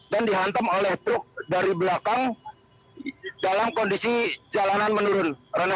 dan dihantam oleh truk dari belakang dalam kondisi jalanan menurun